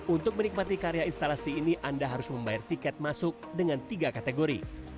untuk menikmati karya instalasi ini anda harus membayar tiket masuk dengan tiga kategori